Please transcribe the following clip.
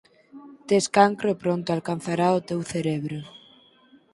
"Tes cancro e pronto alcanzará o teu cerebro.